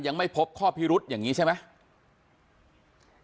ยังไม่พบข้อพิรุษอย่างนี้ใช่ไหม